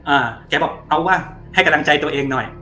แกบอกเอาว่ะให้กำลังใจตัวเองหน่อย